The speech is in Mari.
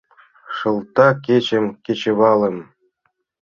Шылта кечым кечывалым